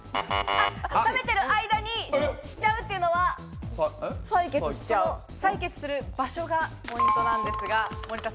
食べてる間にしちゃうというのは、採血する場所がポイントなんですが。